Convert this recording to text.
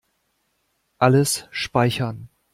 Alles speichern.